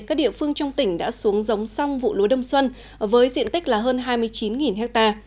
các địa phương trong tỉnh đã xuống giống xong vụ lúa đông xuân với diện tích là hơn hai mươi chín ha